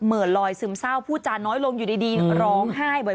เหมือนลอยซึมเศร้าพูดจาน้อยลงอยู่ดีร้องไห้บ่อย